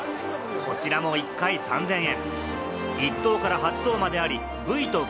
こちらも一回３０００円。